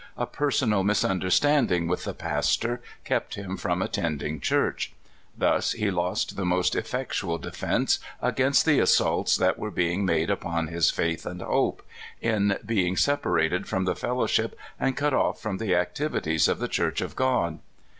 A personal misunderstanding with the pastor kept him from attending church. Thus he lost, the most effectual defense against the assaults that were being made upon his faith and hope, in being separated from the fellowship and cut off from the activities of the Church of God.